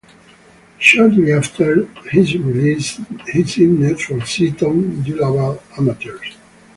Shortly after his release he signed for Seaton Delaval Amateurs.